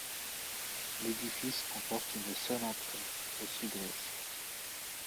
L'édifice comporte une seule entrée, au sud-ouest.